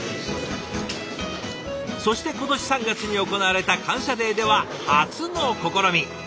そして今年３月に行われた「感謝デー」では初の試み！